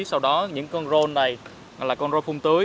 sau đó những con rôn này là con rôn phun tưới